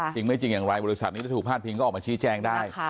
จริงไม่จริงอย่างไรบริษัทนี้ถ้าถูกพลาดพิงก็ออกมาชี้แจงได้